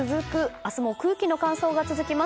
明日も空気の乾燥が続きます。